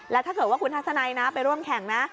แล้วถ้าเกิดว่าคุณทัศนัยนะไปร่วมแข่งนะ